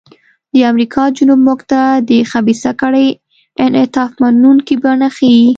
د امریکا جنوب موږ ته د خبیثه کړۍ انعطاف منونکې بڼه ښيي.